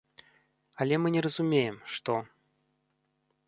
Але мы не разумеем, што.